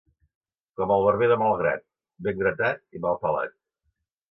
Com el barber de Malgrat, ben gratat i mal pelat.